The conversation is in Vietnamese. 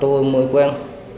tôi mới quen